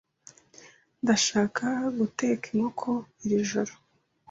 Ndashaka guteka inkoko iri joro.